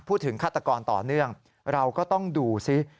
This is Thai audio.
ฆาตกรต่อเนื่องเราก็ต้องดูซิ